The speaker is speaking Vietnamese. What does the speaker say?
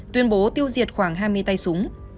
tuyên bố tiêu diệt khoảng hai mươi tay súng